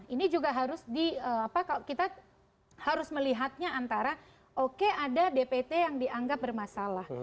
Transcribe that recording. ini juga harus di apa kita harus melihatnya antara oke ada dpt yang dianggap bermasalah